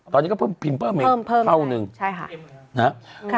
ตอนนี้ก็เพิ่มพิมพ์เพิ่มอีกเพิ่มเท่านึงใช่ค่ะนะฮะ